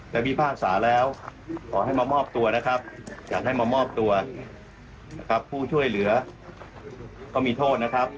พิพากษาแล้วขอให้มามอบตัวนะครับอยากให้มามอบตัวนะครับผู้ช่วยเหลือก็มีโทษนะครับ